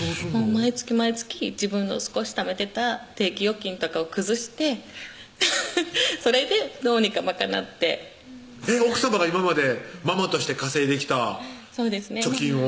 毎月毎月自分の少しためてた定期預金とかを崩してそれでどうにか賄って奥さまが今までママとして稼いできた貯金を？